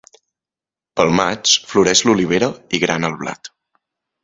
Pel maig floreix l'olivera i grana el blat.